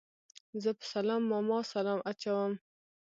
زه په سلام ماما سلام اچوم